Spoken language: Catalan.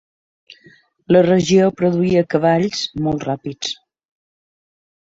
La regió produïa cavalls molt ràpids.